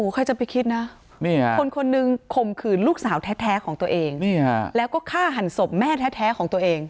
ใครจะไปคิดนะคนคนหนึ่งข่มขืนลูกสาวแท้ของตัวเองแล้วก็ฆ่าหันศพแม่แท้ของตัวเอง